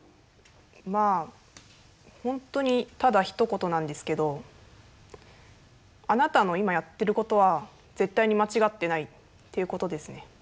まあ本当にただひと言なんですけどあなたの今やってることは絶対に間違ってないっていうことですね。